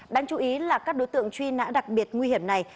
đáng chú ý là các đối tượng truy nã đặc biệt nguy hiểm này